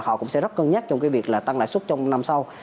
họ cũng sẽ rất cân nhắc trong cái việc là tăng lãi suất trong năm sau